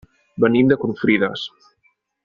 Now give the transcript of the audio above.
Venim de Confrides.